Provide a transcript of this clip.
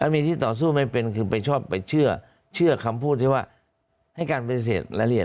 มีที่ต่อสู้ไม่เป็นคือไปชอบไปเชื่อคำพูดที่ว่าให้การปฏิเสธรายละเอียด